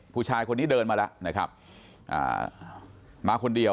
ผู้ชายคนนี้เดินมาแล้วนะครับอ่ามาคนเดียว